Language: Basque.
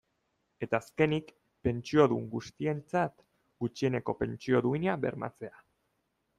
Eta azkenik, pentsiodun guztientzat gutxieneko pentsio duina bermatzea.